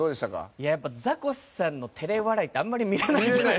いややっぱザコシさんの照れ笑いってあんまり見れないじゃないですか。